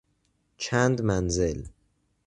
چند منزل